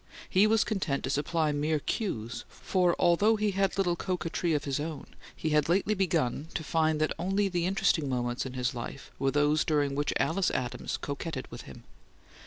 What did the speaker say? He was content to supply mere cues, for although he had little coquetry of his own, he had lately begun to find that the only interesting moments in his life were those during which Alice Adams coquetted with him.